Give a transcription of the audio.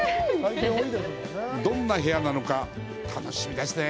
どんなお部屋なのか、楽しみですね。